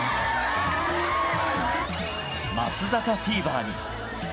松坂フィーバーに。